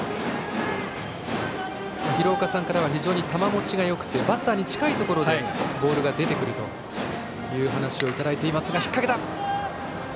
廣岡さんからは非常に球もちがよくてバッターから近いところでボールが出てくるという話をいただいています。